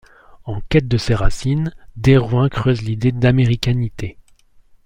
En quête de ses racines, Derouin creuse l’idée d’américanité.